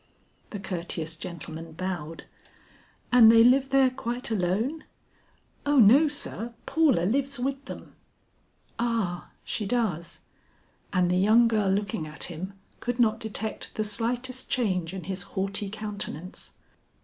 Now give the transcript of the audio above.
The courteous gentleman bowed. "And they live there quite alone?" "O no sir, Paula lives with them." "Ah, she does;" and the young girl looking at him could not detect the slightest change in his haughty countenance.